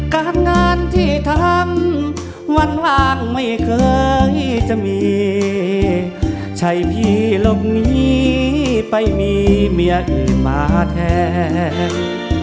การงานที่ทำวันว่างไม่เคยจะมีใช่พี่หลบหนีไปมีเมียอื่นมาแทน